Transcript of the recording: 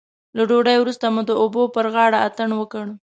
له ډوډۍ وروسته مو د اوبو پر غاړه اتڼ وکړ.